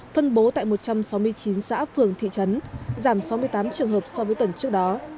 phân bố tại một trăm sáu mươi chín xã phường thị trấn giảm sáu mươi tám trường hợp so với tuần trước đó